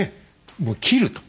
もう斬ると。